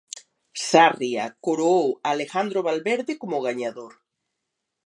Sarria coroou a Alejandro Valverde como gañador.